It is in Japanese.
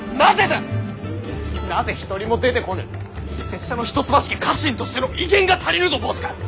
拙者の一橋家家臣としての威厳が足りぬと申すか！